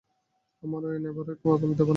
আমার ঐ নেবারই কপাল, দেবার নয়।